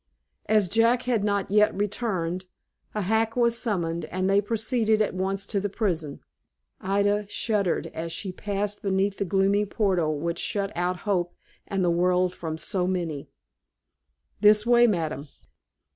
As Jack had not yet returned, a hack was summoned, and they proceeded at once to the prison. Ida shuddered as she passed beneath the gloomy portal which shut out hope and the world from so many. "This way, madam!"